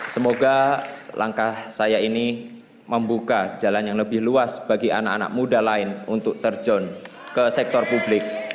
semoga langkah saya ini membuka jalan yang lebih luas bagi anak anak muda lain untuk terjun ke sektor publik